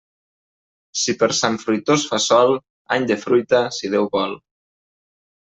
Si per Sant Fruitós fa sol, any de fruita, si Déu vol.